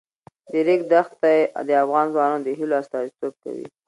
د ریګ دښتې د افغان ځوانانو د هیلو استازیتوب کوي.